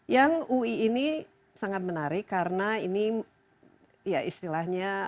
yang ui ini sangat menarik karena ini ya istilahnya